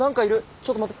ちょっと待って。